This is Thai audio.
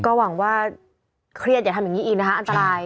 ก็หวังว่าเครียดอย่าทำอย่างนี้อีกนะคะอันตราย